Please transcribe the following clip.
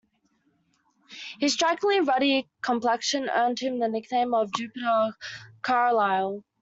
His strikingly ruddy complexion earned him the nickname of Jupiter Carlyle.